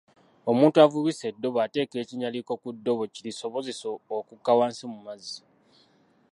Omuntu avubisa eddobo ateeka ekinyaalika ku ddobo kirisobozese okuka wansi mu mazzi .